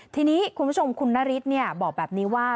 ทีนี้คุณผู้ชมคุณนฤทธิ์บอกแบบนี้ว่า